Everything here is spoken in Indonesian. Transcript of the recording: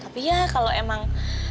tapi ya kalau emang